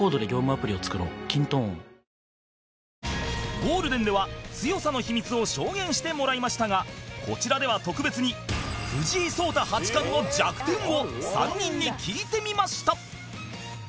ゴールデンでは強さの秘密を証言してもらいましたがこちらでは特別に藤井聡太八冠の弱点を３人に聞いてみました